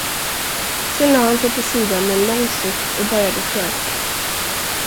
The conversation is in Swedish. Sen lade han sig på sidan med en lång suck och började snarka.